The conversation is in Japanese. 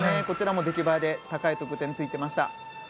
こちらも出来栄えで高い得点がついていました。